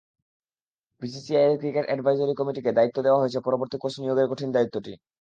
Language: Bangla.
বিসিসিআইয়ের ক্রিকেট অ্যাডভাইজরি কমিটিকে দায়িত্ব দেওয়া হয়েছে পরবর্তী কোচ নিয়োগের কঠিন দায়িত্বটি।